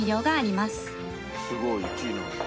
「すごい１位なんだ」